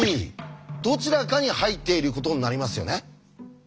どちらかに入っていることになりますよね。